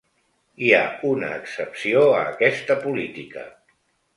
Hi ha una excepció a aquesta política.